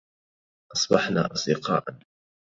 أصبحنا أصدقاءا.